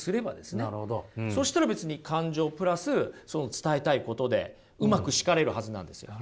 そしたら別に感情プラスその伝えたいことでうまく叱れるはずなんですよ。